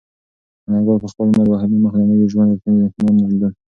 انارګل په خپل لمر وهلي مخ د نوي ژوند رښتونې نښانونه لرل.